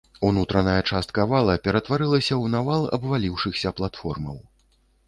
Унутраная частка вала ператварылася ў навал абваліўшыхся платформаў.